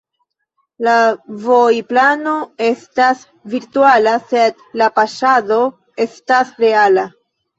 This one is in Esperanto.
La vojplano estas virtuala, sed la paŝado estas reala.